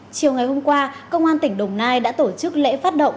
chiều ngày hôm qua công an tỉnh đồng nai đã tổ chức lễ phát động